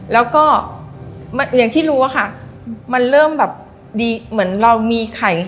แล้วก็อย่างที่รู้อะค่ะมันเริ่มแบบดีเหมือนเรามีไข่